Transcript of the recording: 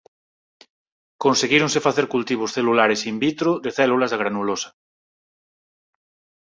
Conseguíronse facer cultivos celulares in vitro de células da granulosa.